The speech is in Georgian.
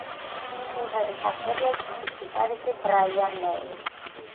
სიმღერის ავტორია ჯგუფის გიტარისტი ბრაიან მეი.